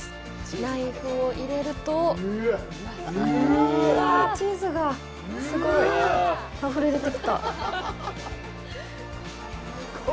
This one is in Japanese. ナイフを入れるとうわ、チーズがすごいあふれ出てきた。